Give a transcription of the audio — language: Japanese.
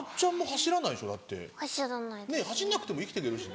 走んなくても生きてけるしね。